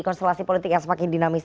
konstelasi politik yang semakin dinamis